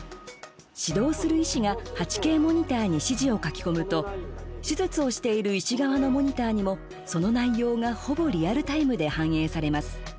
指導する医師が８Ｋモニターに指示を書き込むと手術をしている医師側のモニターにも、その内容がほぼリアルタイムで反映されます。